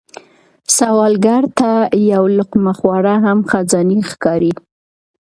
سوالګر ته یو لقمه خواړه هم خزانې ښکاري